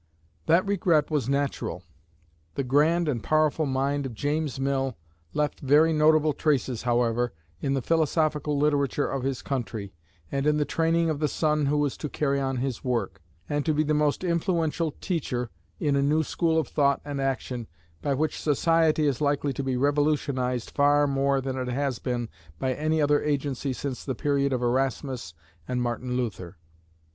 That regret was natural. The grand and powerful mind of James Mill left very notable traces, however, in the philosophical literature of his country, and in the training of the son who was to carry on his work, and to be the most influential teacher in a new school of thought and action, by which society is likely to be revolutionized far more than it has been by any other agency since the period of Erasmus and Martin Luther.